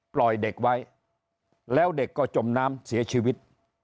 ปล่อยเด็กไว้แล้วเด็กก็จมน้ำเสียชีวิต